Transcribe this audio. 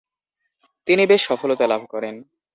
তিনি বেশ সফলতা লাভ করেন।